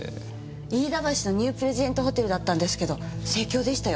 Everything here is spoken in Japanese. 飯田橋のニュープレジデントホテルだったんですけど盛況でしたよ。